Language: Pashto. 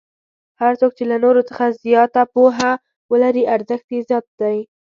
هر څوک چې له نورو څخه زیاته پوهه ولري ارزښت یې زیات دی.